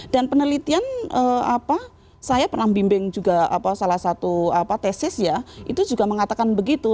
dan penelitian saya pernah membimbing juga salah satu tesis ya itu juga mengatakan begitu